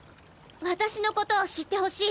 私のことを知ってほしい。